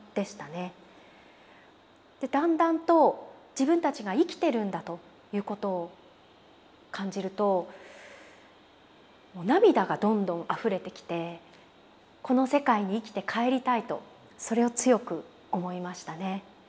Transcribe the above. だんだんと自分たちが生きてるんだということを感じると涙がどんどんあふれてきてこの世界に生きて帰りたいとそれを強く思いましたね。